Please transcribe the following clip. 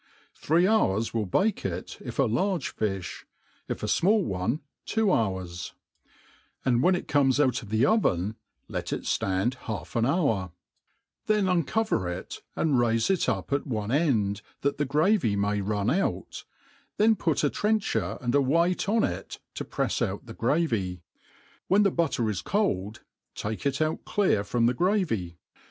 Three hourit will bake It, if a large filh ; if a fmall dne, two hoCirs } and when it comes out of ^he oven^ let it ftand half an hour ; then tin <;over it, and raife it up at one end, that the gra^y may fun outj then put a trencher and a v^eight on it to prefs out the gravy* When the butter is cold^ take it out clear from tbe 8 gravy.